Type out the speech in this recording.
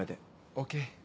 ＯＫ。